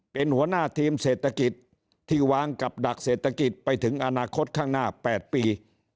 เป็นหัวหน้าทีมเศรษฐกิจที่วางกับดักเศรษฐกิจไปถึงอนาคตข้างหน้า๘ปี